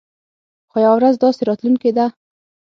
خو يوه ورځ داسې راتلونکې ده.